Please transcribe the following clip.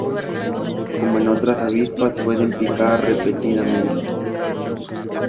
Como en otras avispas pueden picar repetidamente.